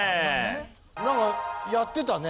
なんかやってたね。